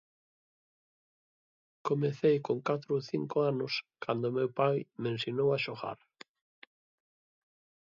Comecei con catro ou cinco anos cando meu pai me ensinou a xogar.